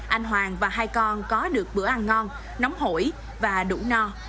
anh hoàng và hai con có được bữa ăn ngon nóng hổi và đủ no